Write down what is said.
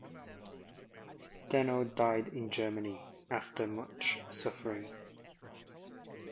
Steno died in Germany, after much suffering.